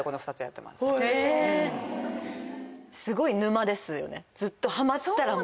すごい沼ですよねずっと。